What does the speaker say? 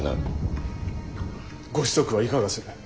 ご子息はいかがする？